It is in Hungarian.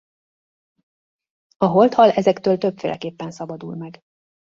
A holdhal ezektől többféleképpen szabadul meg.